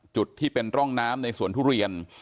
จุดที่เป็นร่องน้ำในสวนทุเรียน